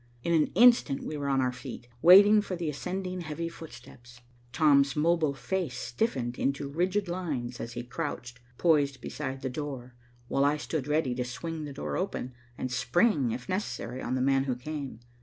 In an instant we were on our feet, waiting for the ascending heavy footsteps. Tom's mobile face stiffened into rigid lines as he crouched, poised beside the door, while I stood ready to swing the door open, and spring if necessary on the man who came.